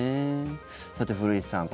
さて、古市さん